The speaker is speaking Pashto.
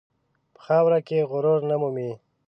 په خاوره کې غرور نه مومي.